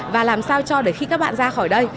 và làm sao cho để khi các bạn ra khỏi đây